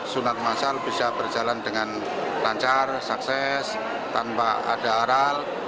sunat masal bisa berjalan dengan lancar sukses tanpa ada aral